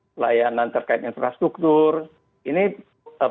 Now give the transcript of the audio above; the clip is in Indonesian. pelayanan di bidang pendidikan pelayanan di bidang kesehatan pelayanan di bidang kesehatan